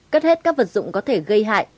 cất hết các vật dụng có thể gây hại